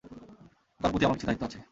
তার প্রতি আমার কিছু দায়িত্ব আছে।